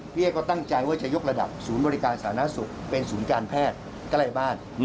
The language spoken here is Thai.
เอ๊ก็ตั้งใจว่าจะยกระดับศูนย์บริการสาธารณสุขเป็นศูนย์การแพทย์ใกล้บ้าน